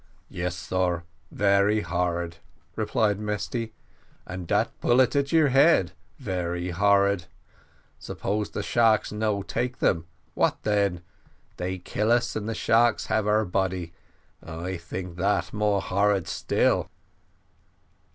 "Yes, sar, very horrid," replied Mesty, "and dat bullet at your head very horrid. Suppose the sharks no take them, what then? They kill us, and the sharks have our body. I think that more horrid still."